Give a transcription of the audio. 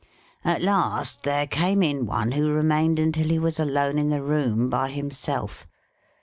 At last there came in one who re mained until he was alone in the room by himself.